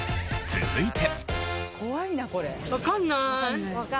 続いて。